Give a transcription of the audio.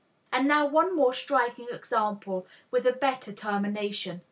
And now one more striking example with a better termination.